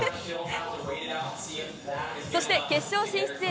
そして決勝進出へ。